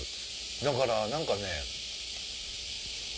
だから何かね。